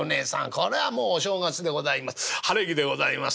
これはもうお正月でございます。